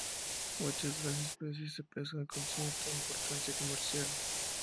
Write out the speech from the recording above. Muchas de las especies se pescan con cierta importancia comercial.